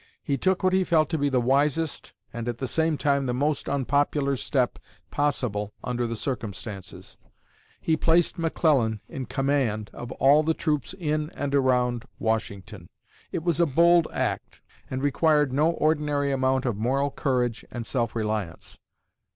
He took what he felt to be the wisest and at the same time the most unpopular step possible under the circumstances: he placed McClellan in command of all the troops in and around Washington. It was a bold act, and required no ordinary amount of moral courage and self reliance.